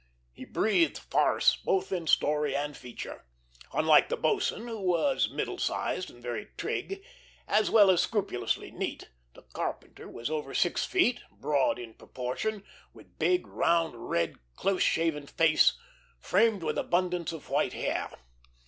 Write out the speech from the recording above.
He breathed farce, both in story and feature. Unlike the boatswain, who was middle sized and very trig, as well as scrupulously neat, the carpenter was over six feet, broad in proportion, with big, round, red, close shaven face, framed with abundance of white hair.